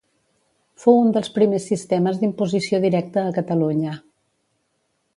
Fou un dels primers sistemes d'imposició directa a Catalunya.